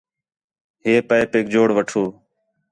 ہے پائپیک جوڑ وٹھو